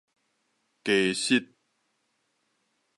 雞翼